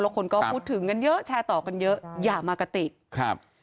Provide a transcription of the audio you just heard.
คนก็พูดถึงกันเยอะแชร์ต่อกันเยอะอย่ามากะติกครับ